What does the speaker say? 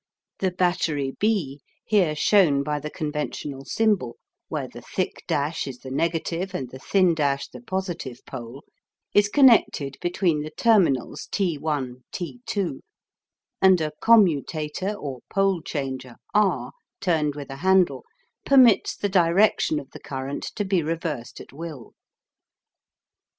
The battery B, here shown by the conventional symbol [Electrical Symbol] where the thick dash is the negative and the thin dash the positive pole, is connected between the terminals T1 T2, and a COMMUTATOR or pole changer R, turned with a handle, permits the direction of the current to be reversed at will.